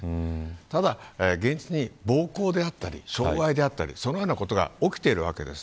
ただ、現実に暴行であったり傷害であったりそのようなことが起きているわけです。